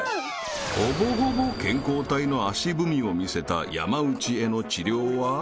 ［ほぼほぼ健康体の足踏みを見せた山内への治療は］